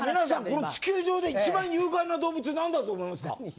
地球上で一番有害な動物何だと思いますか。